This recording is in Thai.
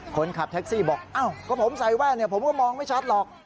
คนขับแท็กซี่บอกอ้าวก็ผมใส่แว่นผมก็มองไม่ชัดหรอก